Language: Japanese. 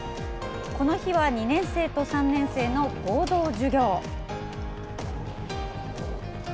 この日は２年生と３年生の合同授業。